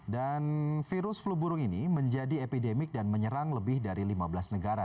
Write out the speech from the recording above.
dan virus flu burung ini menjadi epidemik dan menyerang lebih dari lima belas negara